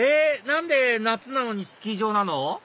何で夏なのにスキー場なの？